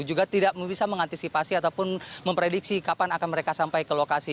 juga tidak bisa mengantisipasi ataupun memprediksi kapan akan mereka sampai ke lokasi